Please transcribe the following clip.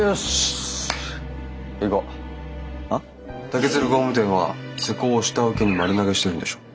竹鶴工務店は施工を下請けに丸投げしてるんでしょ。